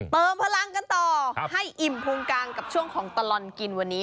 เติมพลังกันต่อให้อิ่มพุงกางกับช่วงของตลอดกินวันนี้